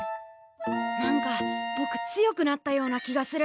何かぼく強くなったような気がする。